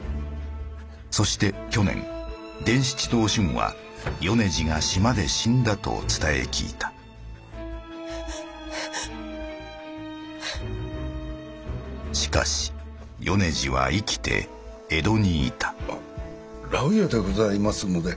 そして去年伝七とお俊は米次が島で死んだと伝え聞いたしかし米次は生きて江戸にいた羅宇屋でございますので。